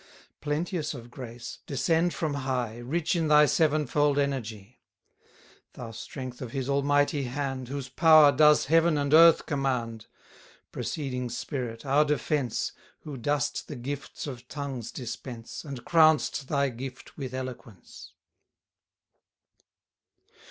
Plenteous of grace, descend from high, Rich in thy sevenfold energy! Thou strength of his Almighty hand, Whose power does heaven and earth command: Proceeding Spirit, our defence, Who dost the gifts of tongues dispense, And crown'st thy gift with eloquence!